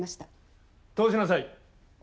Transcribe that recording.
通しなさい。